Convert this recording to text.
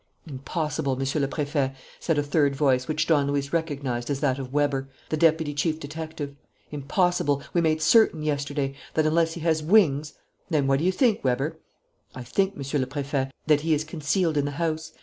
"Impossible, Monsieur le Préfet," said a third voice, which Don Luis recognized as that of Weber, the deputy chief detective. "Impossible. We made certain yesterday, that unless he has wings " "Then what do you think, Weber?" "I think, Monsieur le Préfet, that he is concealed in the house.